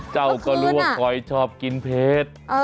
เจ้าก็รู้ว่าคอยชอบกินเพชร